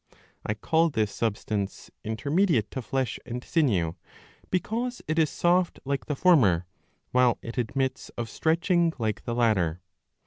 I call this substance intermediate to flesh and sinew, because it is soft like the former, while it admits of stretching like the latter.